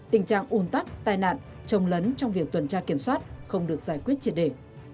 tình trạng ủn tắc tai nạn trồng lấn trong việc tuần tra kiểm soát không được giải quyết triệt đề